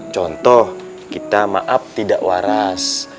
contoh kita maaf tidak waras